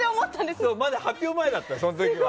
まだ発表前だったの、その時。